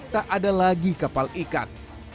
tak ada lagi kapal ikan